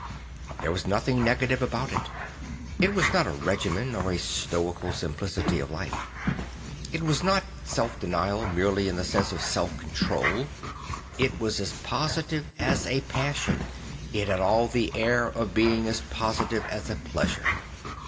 There was nothing negative about it; it was not a regimen or a stoical simplicity of life. It was not self denial merely in the sense of self control. It was as positive as a passion; it had all the air of being as positive as a pleasure.